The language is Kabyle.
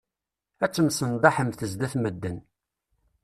Ad temsenḍaḥemt zdat medden.